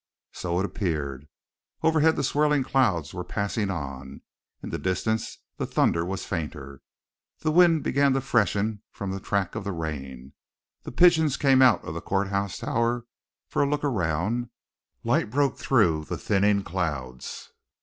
So it appeared. Overhead the swirling clouds were passing on; in the distance the thunder was fainter. The wind began to freshen from the track of the rain, the pigeons came out of the courthouse tower for a look around, light broke through the thinning clouds.